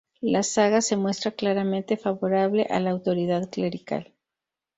La saga se muestra claramente favorable a la autoridad clerical.